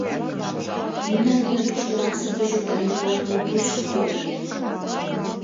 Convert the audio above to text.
Мемнан дене тушто насыпь гыч йоктарен колтымо пуч пудырген.